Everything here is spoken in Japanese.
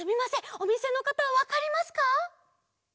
おみせのかたわかりますか？